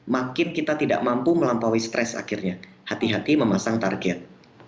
makin kita tidak mampu melampaui stres akhirnya hati hati memasang target